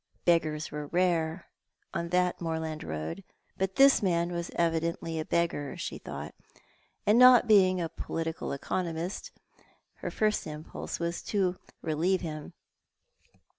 Beggars were rare on that moorland road, but this man was evidently a beggar, she thought; and not being a political economist, her first impulse was to relieve him.